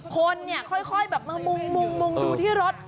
คนเนี่ยค่อยแบบมามุ่งดูที่รถ